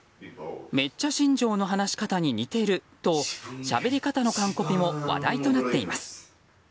めっちゃ新庄の話し方に似てるとしゃべり方の完コピも話題となっています。